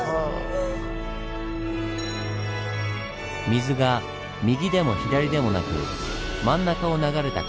水が右でも左でもなく真ん中を流れた